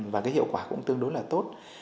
và cái hiệu quả cũng tương đối là tốt